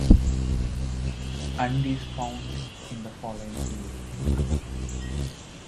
and is found in the following year.